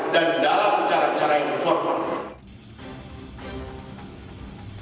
dan dalam cara cara yang berforma